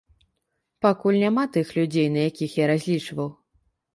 Пакуль няма тых людзей, на якіх я разлічваў.